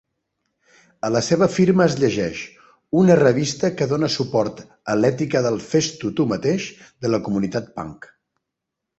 A la seva firma es llegeix "Una revista que dona suport a l'ètica del "fes-t'ho tu mateix" de la comunitat punk".